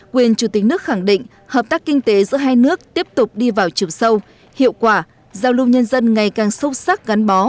quyền chủ tịch nước khẳng định hợp tác kinh tế giữa hai nước tiếp tục đi vào trường sâu hiệu quả giao lưu nhân dân ngày càng sâu sắc gắn bó